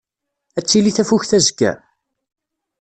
Ad tili tafukt azekka?